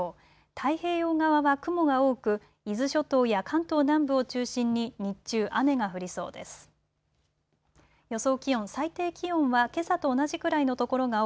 太平洋側は雲が多く伊豆諸島や関東南部を中心に日中雨が降りそうです。